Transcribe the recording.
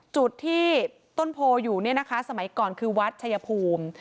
จุดที่ต้นโพอยู่เนี่ยนะคะสมัยก่อนคือวัดชายภูมิ